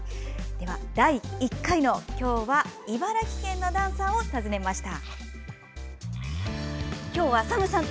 第１回の今日は茨城県のダンサーを訪ねました。